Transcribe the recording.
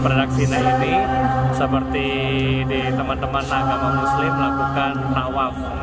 produksina ini seperti di teman teman agama muslim melakukan tawaf